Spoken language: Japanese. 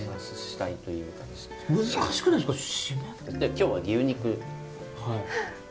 今日は牛肉。